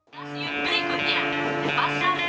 kasius berikutnya pasar fintech